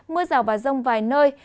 mưa rào và rông vài nơi